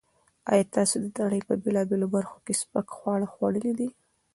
ایا تاسو د نړۍ په بېلابېلو برخو کې سپک خواړه خوړلي دي؟